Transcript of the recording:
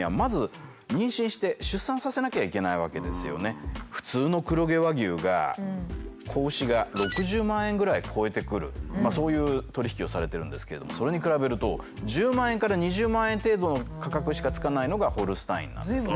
やっぱり普通の黒毛和牛が子牛が６０万円ぐらい超えてくるそういう取り引きをされてるんですけれどもそれに比べると１０万円から２０万円程度の価格しかつかないのがホルスタインなんです。